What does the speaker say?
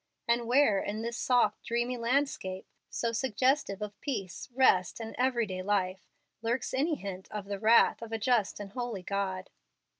and where in this soft, dreamy landscape, so suggestive of peace, rest, and everyday life, lurks any hint of the 'wrath of a just and holy God'?"